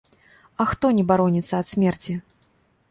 А хто не бароніцца ад смерці?!